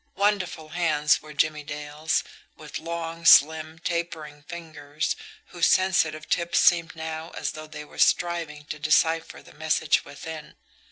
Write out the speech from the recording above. Wonderful hands were Jimmie Dale's, with long, slim, tapering fingers whose sensitive tips seemed now as though they were striving to decipher the message within.